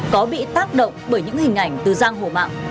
có bị tác động bởi những hình ảnh từ giang hổ mạng